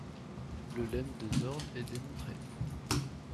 Le lemme de Zorn est démontré.